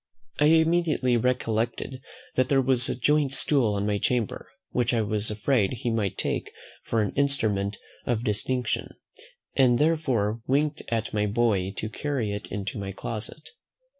I immediately recollected that there was a joint stool in my chamber, which I was afraid he might take for an instrument of distinction, and therefore winked at my boy to carry it into my closet.